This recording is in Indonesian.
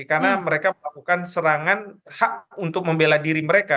karena mereka melakukan serangan hak untuk membela diri mereka